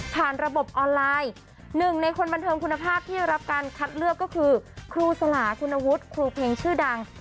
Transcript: ระบบออนไลน์หนึ่งในคนบันเทิงคุณภาพที่รับการคัดเลือกก็คือครูสลาคุณวุฒิครูเพลงชื่อดัง